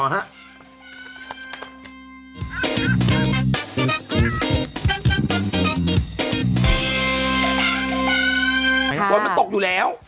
ค่ะตอนนี้มันตกอยู่แล้ว